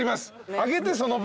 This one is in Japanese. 上げてその分。